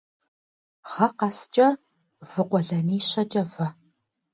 Гъэ къэскӏэ вы къуэлэнищэкӏэ вэ.